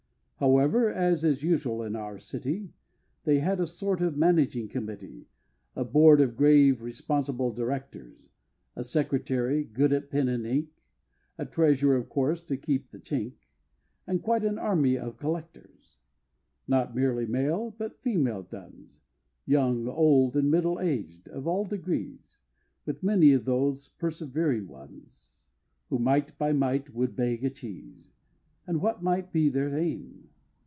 However, as is usual in our city, They had a sort of managing Committee, A board of grave responsible Directors A Secretary, good at pen and ink A Treasurer, of course, to keep the chink, And quite an army of Collectors! Not merely male, but female duns, Young, old, and middle aged of all degrees With many of those persevering ones, Who mite by mite would beg a cheese! And what might be their aim?